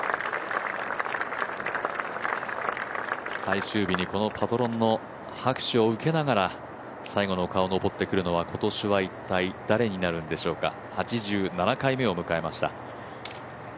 最終日にこのパトロンの拍手を受けながら最後の丘を登ってくるのは今年は一体誰になるんでしょうか８７回目を迎えました。